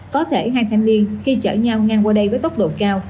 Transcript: có thể hai thanh niên khi chở nhau ngang qua đây với tốc độ cao